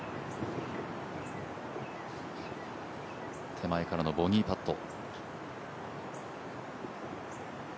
手前からのボギーパット。